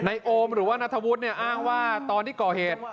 โอมหรือว่านัทธวุฒิเนี่ยอ้างว่าตอนที่ก่อเหตุ